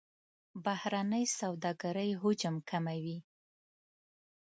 بهرنۍ سوداګرۍ حجم کمیږي.